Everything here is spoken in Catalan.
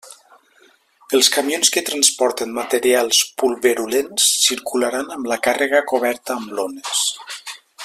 Els camions que transporten materials pulverulents circularan amb la càrrega coberta amb lones.